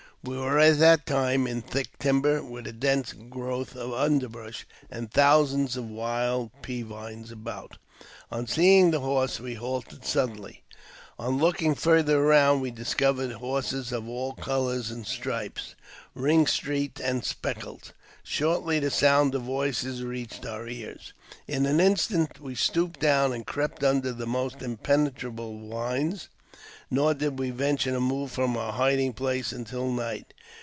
We were at that time in thick timber, with a dense growth of underbrush, and thousands of wild pea vines about. On seeing the horse we halted suddenly. On looking farther around, we discovered horses of all colours and stripes, ring streaked and speckled. Shortly the sound of voices reached our ears. In an instant we stooped down and crept under the almost impenetrable vines, nor did we venture to move from our hiding place until night.